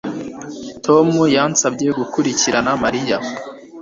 Tom yansabye gukurikirana Mariya